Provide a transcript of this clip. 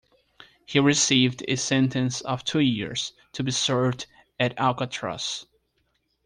He received a sentence of two years, to be served at Alcatraz.